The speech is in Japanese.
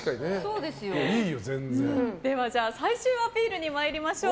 では、最終アピールに参りましょう。